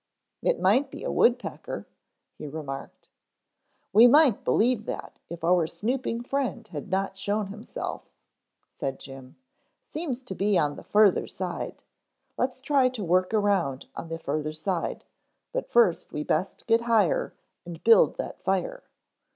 "It might be a woodpecker," he remarked. "We might believe that if our snooping friend had not shown himself," said Jim. "Seems to be on the further side. Let's try to work around on the further side, but first we best get higher and build that fire.